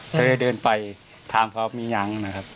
ก็เลยเดินไปถามเขามียังนะครับ